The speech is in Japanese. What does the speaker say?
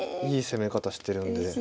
いい攻め方してるんで。